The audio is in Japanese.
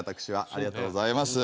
ありがとうございます。